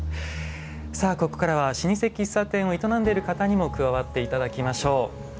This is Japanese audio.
さあここからは老舗喫茶店を営んでいる方にも加わって頂きましょう。